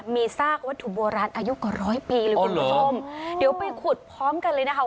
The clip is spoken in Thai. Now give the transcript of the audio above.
มีซากวัตถุโบราณอายุกว่าร้อยปีเลยคุณผู้ชมเดี๋ยวไปขุดพร้อมกันเลยนะคะ